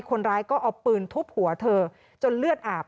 คนร้ายก็เอาปืนทุบหัวเธอจนเลือดอาบ